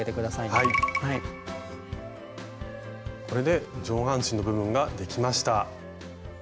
これで上半身の部分ができました。